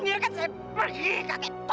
biar kan saya pergi kakek tua